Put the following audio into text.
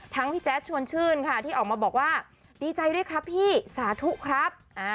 พี่แจ๊ดชวนชื่นค่ะที่ออกมาบอกว่าดีใจด้วยครับพี่สาธุครับ